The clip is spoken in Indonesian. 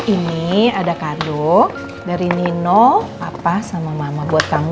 ini ada kado dari nino apa sama mama buat kamu